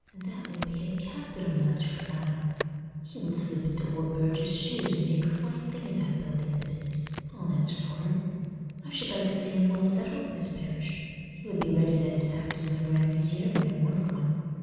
"That would be a capital match for Adam. He would slip into old Burge's shoes and make a fine thing of that building business, I'll answer for him. I should like to see him well settled in this parish; he would be ready then to act as my grand vizier when I wanted one.